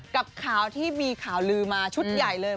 กับข่าวที่มีข่าวลือมาชุดใหญ่เลย